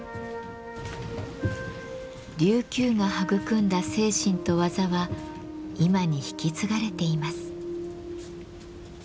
琉球が育んだ精神と技は今に引き継がれています。